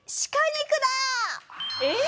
えっ！？